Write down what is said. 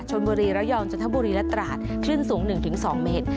ชนบุรีระยองจนถ้ำบุรีและตราดคลื่นสูง๑๒เมตร